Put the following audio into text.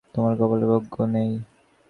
তোমার কপালে দুর্ভাগ্য নেই।